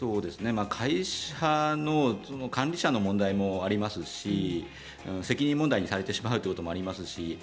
会社の管理者の問題もありますが責任問題にされてしまうということもあります。